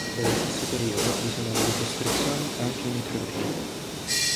Dello stesso periodo vi sono delle costruzioni anche in Etruria.